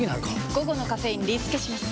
午後のカフェインリスケします！